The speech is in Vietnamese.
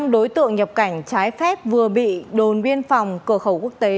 năm đối tượng nhập cảnh trái phép vừa bị đồn biên phòng cửa khẩu quốc tế